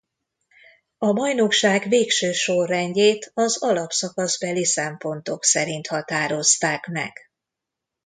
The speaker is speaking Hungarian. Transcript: A bajnokság végső sorrendjét az alapszakaszbeli szempontok szerint határozták meg.